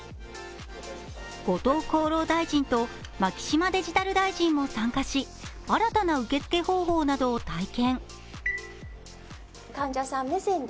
後藤厚労大臣と牧島デジタル大臣も参加し新たな受付方法などを体験。